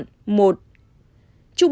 trúc bình số tử vong